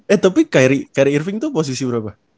eh tapi kyrie irving tuh posisi berapa